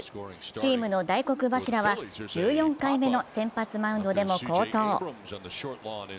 チームの大黒柱は１４回目の先発マウンドでも好投。